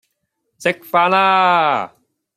食飯啦!